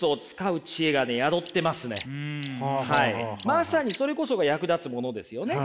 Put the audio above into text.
まさにそれこそが役立つものですよね？